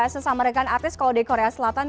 sesama rekan artis kalau di korea selatan